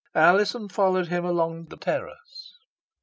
Alizon followed him along the terrace.